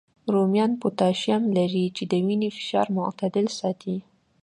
رومیان پوتاشیم لري، چې د وینې فشار معتدل ساتي